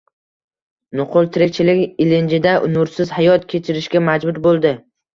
nuqul tirikchilik ilinjida nursiz hayot kechirishga majbur bo‘ldi.